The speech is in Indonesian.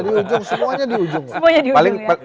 semuanya di ujung